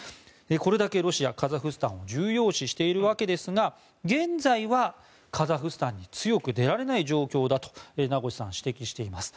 これだけロシア、カザフスタンを重要視しているわけですが現在は、カザフスタンに強く出られない状況だと名越さんは指摘しています。